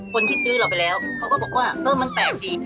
คนที่ซื้อเราไปแล้วเขาก็บอกว่าเออมันแปลกดี